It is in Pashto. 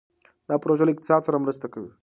دا پروژه له اقتصاد سره مرسته کوي.